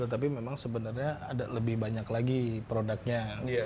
tapi memang sebenarnya ada lebih banyak lagi produknya